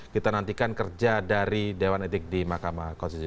kita nantikan kerja dari dewan etik di mahkamah konstitusi